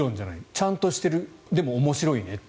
ちゃんとしているでも、面白いねって。